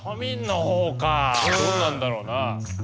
どんなんだろうな。